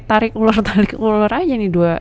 tarik ular tarik ular aja nih